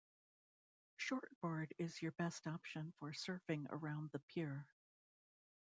Shortboard is your best option for surfing around the Pier.